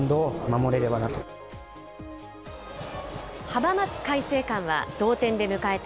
浜松開誠館は、同点で迎えた